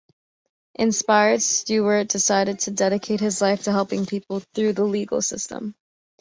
Inspired, Stewart decided to dedicate his life to helping people through the legal system.